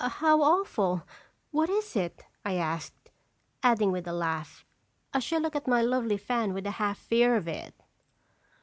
"Oh, how awful! What is it?" I asked, adding with a laugh, " I shall look at my lovely fan with a half fear of it."